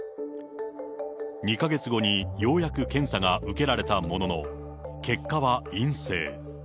２か月後にようやく検査が受けられたものの、結果は陰性。